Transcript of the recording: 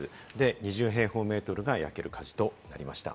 ２０平方メートルが焼ける火事となりました。